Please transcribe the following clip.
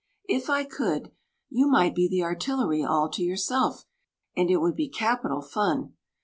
If I could, you might be the Artillery all to yourself, and it would be capital fun.